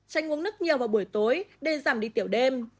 tranh uống nước nhiều vào buổi tối để giảm đi tiểu đêm